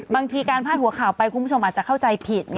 บางทีการพาดหัวข่าวไปคุณผู้ชมอาจจะเข้าใจผิด